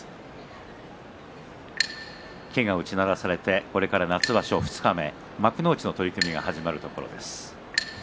柝きが鳴らされてこれから夏場所二日目幕内の取組が始まるところです。